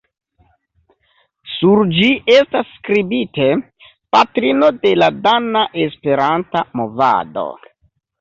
Sur ĝi estas skribite: "Patrino de la dana Esperanta movado".